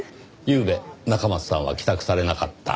ゆうべ中松さんは帰宅されなかった。